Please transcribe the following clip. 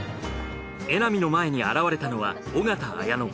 江波の前に現れたのは緒方綾乃。